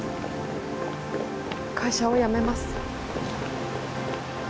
会社を辞めます。